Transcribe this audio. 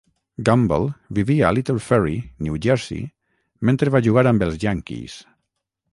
Gamble vivia a Little Ferry, New Jersey mentre va jugar amb els Yankees.